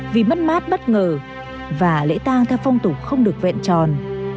vì mất mát bất ngờ và lễ tang theo phong tục không được vẹn tròn